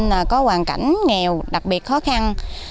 cây cầu nông thôn có hoàn cảnh nghèo đặc biệt khó khăn